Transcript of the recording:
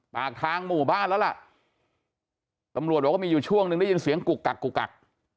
ปากทางหมู่บ้านแล้วล่ะตำรวจบอกว่ามีอยู่ช่วงหนึ่งได้ยินเสียงกุกกักกุกกัก